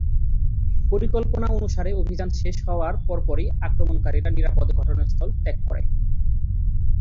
পরিকল্পনা অনুসারে অভিযান শেষ হওয়ার পরপরই আক্রমণকারীরা নিরাপদে ঘটনাস্থল ত্যাগ করে।